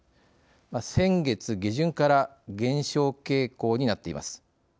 先月下旬から減少傾向になっています。